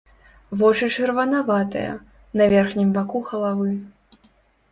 Вочы чырванаватыя, на верхнім баку галавы.